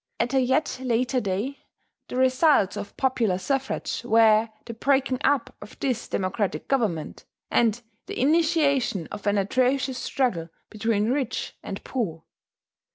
At a yet later day the results of popular suffrage were the breaking up of this democratic government, and the initiation of an atrocious struggle between rich and poor.